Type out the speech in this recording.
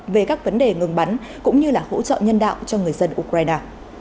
về các vấn đề ngừng bắn cũng như là hỗ trợ nhân đạo cho người dân ukraine